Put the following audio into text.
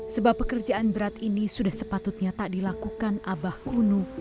sebab pekerjaan berat ini sudah sepatutnya tak dilakukan abah kuno